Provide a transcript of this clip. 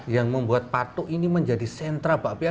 yang membuat patuk ini menjadi sentra bakpia